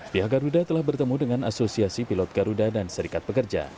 pihak garuda telah bertemu dengan asosiasi pilot garuda dan serikat pekerja